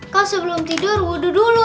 kalau sebelum tidur wudhu dulu